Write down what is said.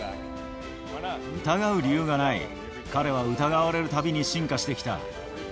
疑う理由がない、彼は疑われるたびに進化してきた。